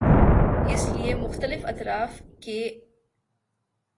اس لیے مختلف اطراف کے انویسٹر دونوں ممالک کو غور سے دیکھتے ہیں۔